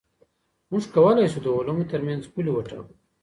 موږ کولای سو د علومو ترمنځ پولي وټاکو.